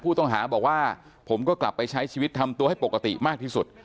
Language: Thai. ผู้ต้องหาบอกว่าผมก็กลับไปใช้ชีวิตทำตัวให้ปกติมากที่สุด